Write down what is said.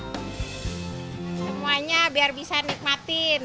semuanya biar bisa nikmatin